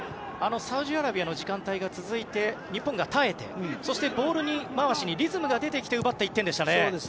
サウジアラビアの時間帯が続いて、日本が耐えてそしてボール回しにリズムが出てきて奪った１点でした。